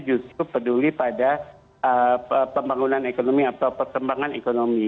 justru peduli pada pembangunan ekonomi atau perkembangan ekonomi